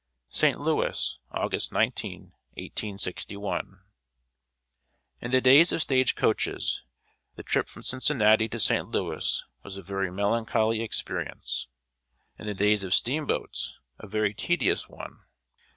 ST. LOUIS, August 19, 1861. In the days of stage coaches, the trip from Cincinnati to St. Louis was a very melancholy experience; in the days of steamboats, a very tedious one.